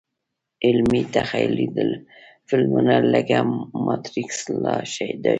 علمي – تخیلي فلمونه لکه ماتریکس دا ښيي.